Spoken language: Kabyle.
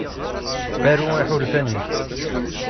Aru iḥulfan-ik.